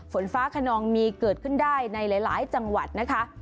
ฝนฟ้าขนองมีเกิดขึ้นได้ในหลายจังหวัดนะคะ